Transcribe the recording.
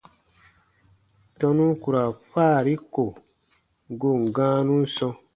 Tɔnu ku ra faari ko goon gãanun sɔ̃.